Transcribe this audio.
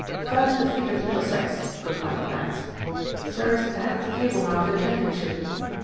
"First defeat of Middlesex," replied Clarence; "Surrey's at the head of the table now for the Championship!